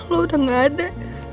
lo udah gak ada